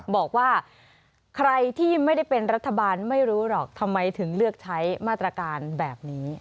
บอกว่าใครที่ไม่ได้เป็นรัฐบาลไม่รู้หรอกทำไมถึงเลือกใช้มาตรการแบบนี้